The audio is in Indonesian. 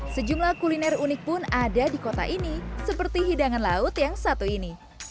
sejumlah kuliner unik pun ada di kota ini seperti hidangan laut yang satu ini